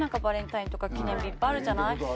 バレンタインとか記念日いっぱいあるじゃない。